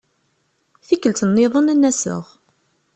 Tikkelt-nniḍen ad n-aseɣ.